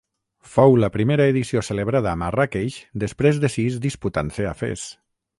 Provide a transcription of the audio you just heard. Fou la primera edició celebrada a Marràqueix després de sis disputant-se a Fes.